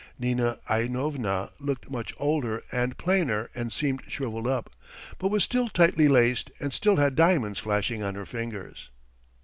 Nina Ivanovna looked much older and plainer and seemed shrivelled up, but was still tightly laced, and still had diamonds flashing on her fingers.